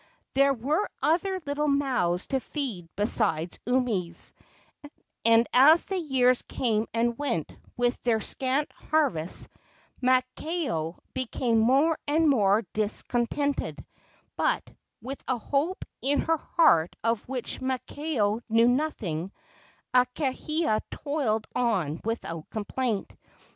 There were other little mouths to feed besides Umi's, and, as the years came and went with their scant harvests, Maakao became more and more discontented; but, with a hope in her heart of which Maakao knew nothing, Akahia toiled on without complaint.